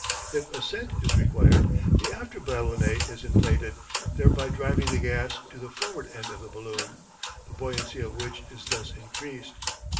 If ascent is required, the after ballonet is inflated, thereby driving the gas to the forward end of the balloon, the buoyancy of which is thus increased.